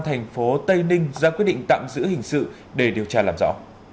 thành phố tây ninh ra quyết định tạm giữ hình sự để điều tra làm rõ